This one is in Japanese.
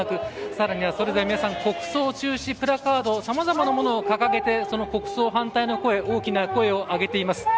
更にはそれぞれ皆さん国葬中止のプラカードなどさまざまなものを掲げて国葬反対の大きな声をあげています。